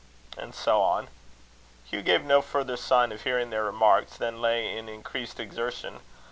And so on. Hugh gave no further sign of hearing their remarks than lay in increased exertion.